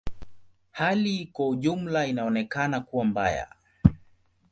Hali kwa ujumla inaonekana kuwa mbaya.